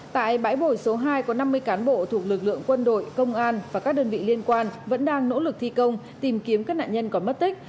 tại bãi bồi số hai có năm mươi cán bộ thuộc lực lượng quân đội công an và các đơn vị liên quan vẫn đang nỗ lực thi công tìm kiếm các nạn nhân có mất tích